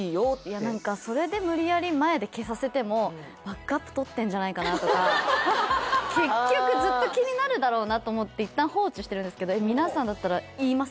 いや何かそれで無理やり前で消させても結局ずっと気になるだろうなと思っていったん放置してるんですけど皆さんだったら言います？